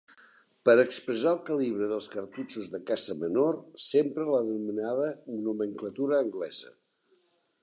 Per a expressar el calibre dels cartutxos de caça menor s'empra la denominada nomenclatura anglesa.